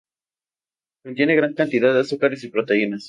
Contiene gran cantidad de azúcares y proteínas.